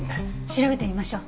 調べてみましょう。